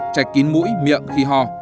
trách kín mũi miệng khi ho